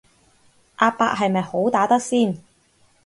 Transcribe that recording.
阿伯係咪好打得先